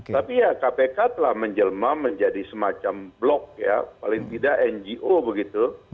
tapi ya kpk telah menjelma menjadi semacam blok ya paling tidak ngo begitu